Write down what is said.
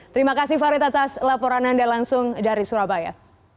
terima kasih farid atas laporan anda langsung dari surabaya